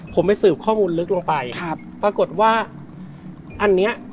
ผมไปสืบข้อมูลลึกลงไปครับปรากฏว่าอันเนี้ย